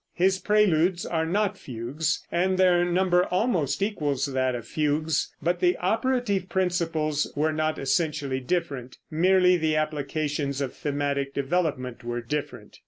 His preludes are not fugues, and their number almost equals that of the fugues; but the operative principles were not essentially different merely the applications of thematic development were different.